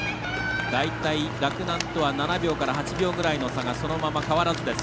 洛南とは７秒から８秒ぐらいの差がそのまま変わらずです。